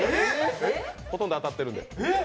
ほとんど当たってるんで。